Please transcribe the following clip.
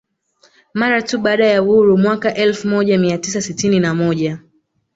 Mara tu baada ya uhuru mwaka elfu moja mia tisa sitini na moja